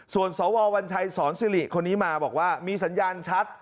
ส่วนสววัญชัยสอนสิริคนนี้มาบอกว่ามีสัญญาณชัด